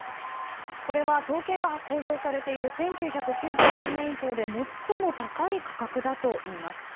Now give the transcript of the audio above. これは統計が公表されている１９９３年以降で最も高い価格だといいます。